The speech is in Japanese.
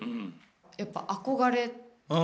やっぱ「憧れ」。